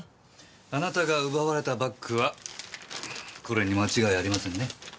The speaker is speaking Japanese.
あなたが奪われたバッグはこれに間違いありませんね？